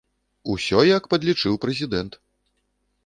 Усе як падлічыў прэзідэнт.